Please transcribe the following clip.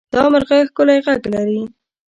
دا مرغه ښکلی غږ لري.